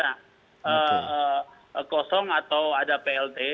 nah kosong atau ada plt